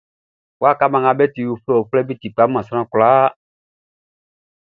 Uwka mma nga be ti uflɛuflɛʼn, be ti kpa man sran kwlaa.